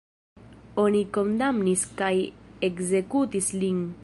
Oni kondamnis kaj ekzekutis lin.